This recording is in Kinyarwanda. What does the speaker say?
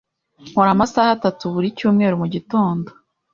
Nkora amasaha atatu buri cyumweru mugitondo.